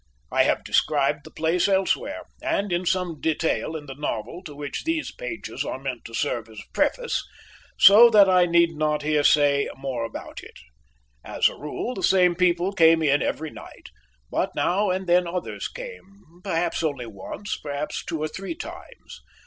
I have described the place elsewhere, and in some detail in the novel to which these pages are meant to serve as a preface, so that I need not here say more about it. As a rule, the same people came in every night, but now and then others came, perhaps only once, perhaps two or three times.